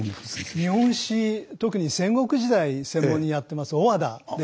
日本史特に戦国時代専門にやってます小和田です。